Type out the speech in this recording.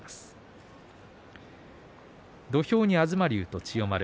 土俵に東龍と千代丸。